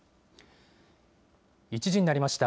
１時になりました。